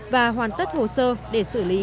và hoàn tất hồ sơ để xử lý